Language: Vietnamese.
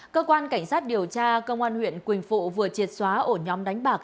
cơ quan cảnh sát điều tra công an huyện quỳnh phụ vừa triệt xóa ổ nhóm đánh bạc